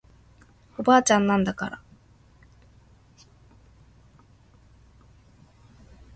おばあちゃんなんだから